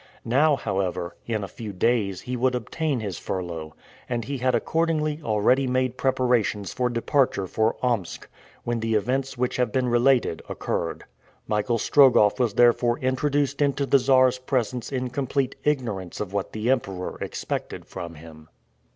Now, however, in a few days he would obtain his furlough, and he had accordingly already made preparations for departure for Omsk, when the events which have been related occurred. Michael Strogoff was therefore introduced into the Czar's presence in complete ignorance of what the emperor expected from him.